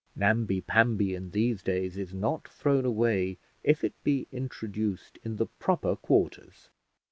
Namby pamby in these days is not thrown away if it be introduced in the proper quarters.